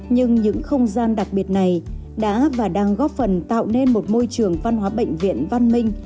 nhưng những không gian đặc biệt này đã và đang góp phần tạo nên một môi trường văn hóa bệnh viện văn minh